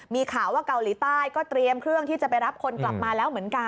มีข่าวว่าเกาหลีใต้ก็เตรียมเครื่องที่จะไปรับคนกลับมาแล้วเหมือนกัน